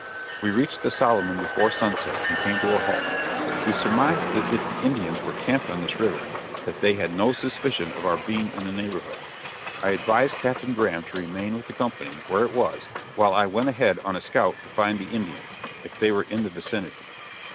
We reached the Soloman before sunset, and came to a halt; we surmised that if the Indians were camped on this river, that they had no suspicion of our being in the neighborhood. I advised Captain Graham to remain with the company where it was, while I went ahead on a scout to find the Indians, if they were in the vicinity.